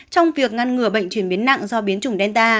chín mươi sáu trong việc ngăn ngừa bệnh chuyển biến nặng do biến chủng delta